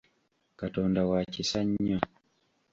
Katonda wa kisa nnyo.